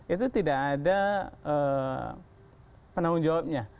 itu tidak ada penanggung jawabnya